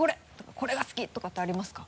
「これが好き」とかってありますか？